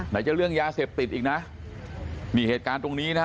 จะเรื่องยาเสพติดอีกนะนี่เหตุการณ์ตรงนี้นะฮะ